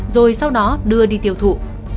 rồi sau đó đưa đi tiêu thụ